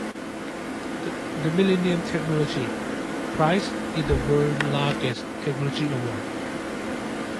The Millennium Technology Prize is the world's largest technology award.